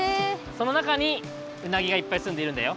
そのなかにうなぎがいっぱいすんでいるんだよ。